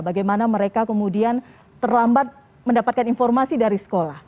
bagaimana mereka kemudian terlambat mendapatkan informasi dari sekolah